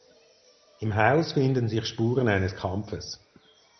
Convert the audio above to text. Im Haus finden sich Spuren eines Kampfes.